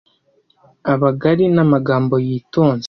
abagali n'amagambo yitonze